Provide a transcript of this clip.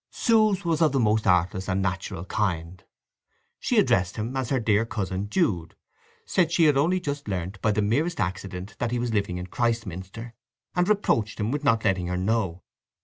Sue's was of the most artless and natural kind. She addressed him as her dear cousin Jude; said she had only just learnt by the merest accident that he was living in Christminster, and reproached him with not letting her know.